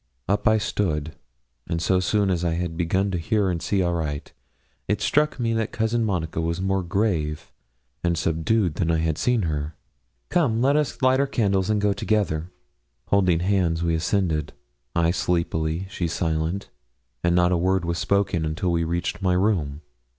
Up I stood, and so soon as I had begun to hear and see aright, it struck me that Cousin Monica was more grave and subdued than I had seen her. 'Come, let us light our candles and go together.' Holding hands, we ascended, I sleepy, she silent; and not a word was spoken until we reached my room.